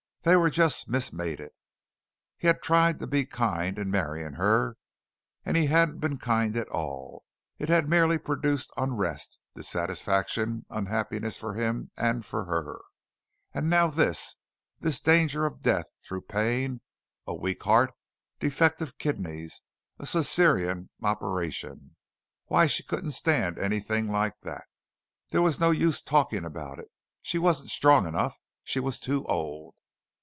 They were just mis mated. He had tried to be kind in marrying her, and he hadn't been kind at all. It had merely produced unrest, dissatisfaction, unhappiness for him and for her, and now this this danger of death through pain, a weak heart, defective kidneys, a Cæsarian operation. Why, she couldn't stand anything like that. There was no use talking about it. She wasn't strong enough she was too old.